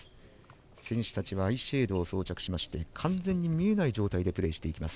選手たちはアイシェードを装着して、完全に見えない状態でプレーしていきます。